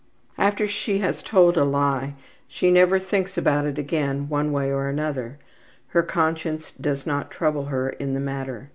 '' After she has told a lie she never thinks about it again one way or another. Her conscience does not trouble her in the matter.